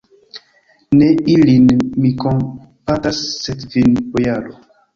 Ne ilin mi kompatas, sed vin, bojaro!